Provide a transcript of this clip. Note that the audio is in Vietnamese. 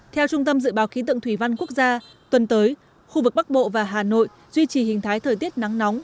theo trung tâm dự báo khí tượng thủy văn quốc gia tuần tới khu vực bắc bộ và hà nội duy trì hình thái thời tiết nắng nóng